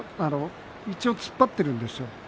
一応突っ張っているんですよ。